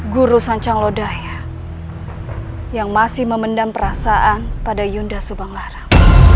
guru sancaglodaya yang masih memendam perasaan pada yunda subanglarang